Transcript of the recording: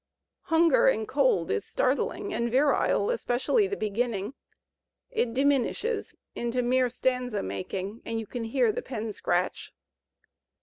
"Hunger and Cold" is startling and virile, especially the beginning; it diminishes into mere stanza making and you can hear the pen scratch.